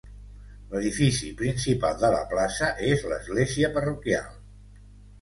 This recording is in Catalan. L'edifici principal de la plaça és l'església parroquial.